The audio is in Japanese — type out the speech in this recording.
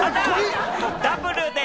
ダブルで。